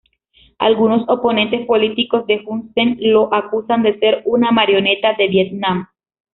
Algunos oponentes políticos de Hun Sen lo acusan de ser una marioneta de Vietnam.